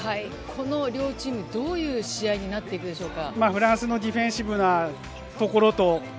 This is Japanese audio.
両チームどういう試合になってくるでしょうか。